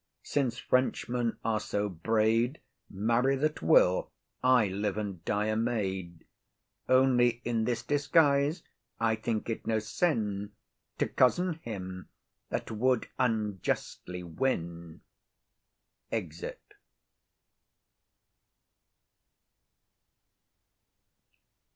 Since Frenchmen are so braid, Marry that will, I live and die a maid. Only, in this disguise, I think't no sin To cozen him that would unjustly win. [_Exit.